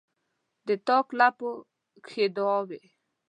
د تاک لپو کښې دعاوې،